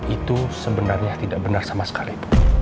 itu sebenarnya tidak benar sama sekali